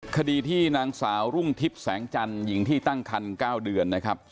คดีที่นางสาวรุ่งทิพย์แสงจันทร์หญิงที่ตั้งคัน๙เดือนนะครับ